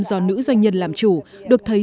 do nữ doanh nhân làm chủ được thấy